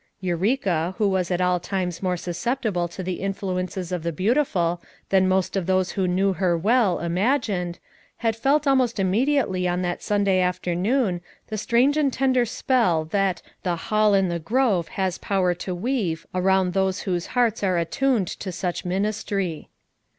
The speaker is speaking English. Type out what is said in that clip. Eureka, who was at all times more susceptible to the influences of the beautiful than most of those who knew her well, imagined, had felt almost immediately on that Sunday afternoon the strange and tender spell that the "Hall in the Grove" has power to weave around those whose hearts are attuned to such minis try.